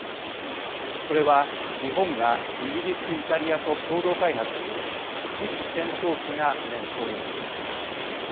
これは日本がイギリス・イタリアと共同開発する次期戦闘機が念頭にあります。